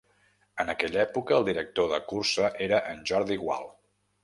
En aquella època, el director de cursa era en Jordi Gual.